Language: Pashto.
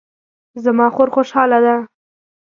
زما خور خوشحاله ده